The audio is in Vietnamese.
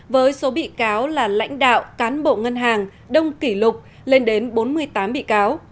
với số bị cáo là lãnh đạo cán bộ ngân hàng đông kỷ lục lên đến bốn mươi tám bị cáo